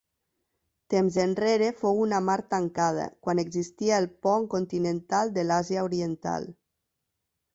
Temps enrere fou una mar tancada, quan existia el pont continental de l'Àsia Oriental.